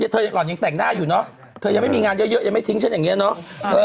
เธอหล่อนยังแต่งหน้าอยู่เนอะเธอยังไม่มีงานเยอะยังไม่ทิ้งฉันอย่างนี้เนอะ